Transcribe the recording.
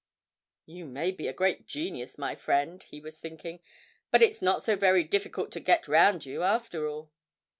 ('You may be a great genius, my friend,' he was thinking, 'but it's not so very difficult to get round you, after all!')